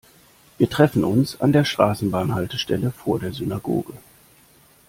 Wir treffen uns an der Straßenbahnhaltestelle vor der Synagoge.